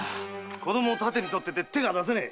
子供を盾に取ってて手が出せねえ。